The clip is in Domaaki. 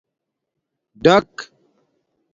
ڈک